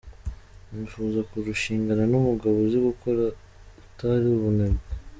Nifuza kurushingana n’umugabo uzi gukora, utari umunebwe.